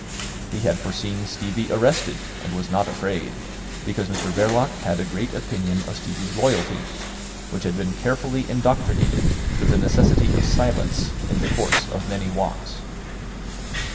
He had foreseen Stevie arrested, and was not afraid, because Mr Verloc had a great opinion of Stevie's loyalty, which had been carefully indoctrinated with the necessity of silence in the course of many walks.